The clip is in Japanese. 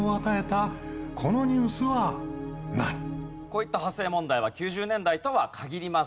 こういった派生問題は９０年代とは限りません。